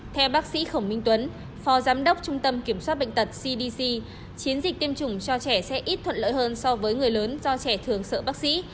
theo bác sĩ khổng minh tuấn phó giám đốc trung tâm kiểm soát bệnh tật cdc chiến dịch tiêm chủng cho trẻ sẽ ít thuận lợi hơn so với người lớn do trẻ thường sợ bác sĩ